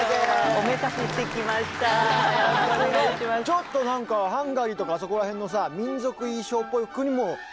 ちょっとなんかハンガリーとかあそこら辺のさ民族衣装っぽくにも見える。